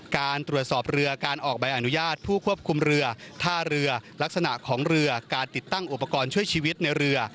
การตรวจสอบเรือการออกใบอนุญาตผู้ควบคุมเรือท่าเรือลักษณะของเรือการติดตั้งอุปกรณ์ช่วยชีวิตในเรือ